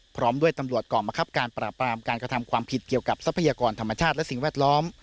พร้อมด้วยตำรวจกองมะครับการปราบรามการกระทำความผิดเกี่ยวกับทรัพยากรธรรมชาติและสิ่งแวดล้อม